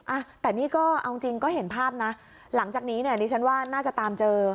อ่ะแต่นี่ก็เอาจริงก็เห็นภาพนะหลังจากนี้เนี่ยดิฉันว่าน่าจะตามเจอ